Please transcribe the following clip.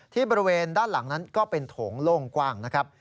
บริเวณด้านหลังนั้นก็เป็นโถงโล่งกว้างนะครับ